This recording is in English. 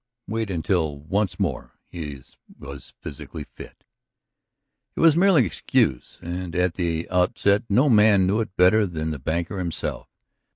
Wait until once more he was physically fit. It was merely an excuse, and at the outset no man knew it better than the banker himself.